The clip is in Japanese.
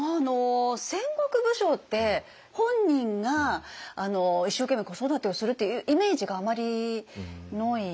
戦国武将って本人が一生懸命子育てをするっていうイメージがあまりない。